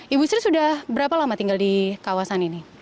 ibu sri sudah berapa lama tinggal di kawasan ini